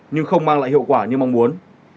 nhưng không mang lại hiệu quả như mong muốn